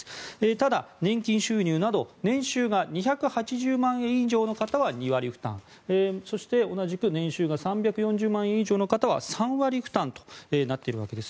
ただ、年金収入など年収が２８０万円以上の方は２割負担そして同じく年収が３４０万円以上の人は３割負担となっているわけです。